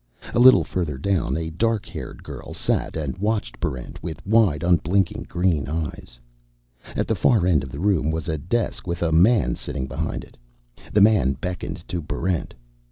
A little further down, a dark haired girl sat and watched Barrent with wide, unblinking green eyes. At the far end of the room was a desk with a man sitting behind it. The man beckoned to Barrent.